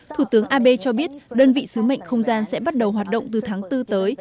thủ tướng abe cho biết đơn vị sứ mệnh không gian sẽ bắt đầu hoạt động từ tháng bốn tới